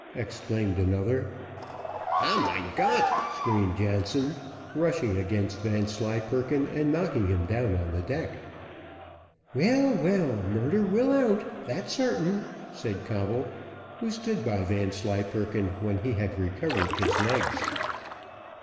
exclaimed another. "Ah, Mein Gott!" screamed Jansen, rushing against Vanslyperken and knocking him down on the deck. "Well, well, murder will out! that's sartain," said Coble, who stood by Vanslyperken when he had recovered his legs.